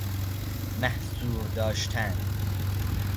محصور داشتن